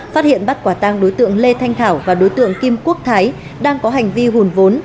phát hiện bắt quả tang đối tượng lê thanh thảo và đối tượng kim quốc thái đang có hành vi hùn vốn